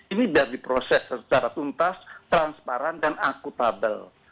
ini biar diproses secara tuntas transparan dan akutabel